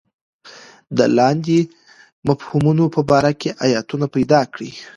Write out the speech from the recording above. د لاندې مفهومونو په باره کې ایتونه پیدا کړئ.